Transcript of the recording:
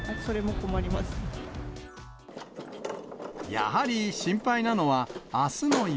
やはり心配なのは、あすの雪。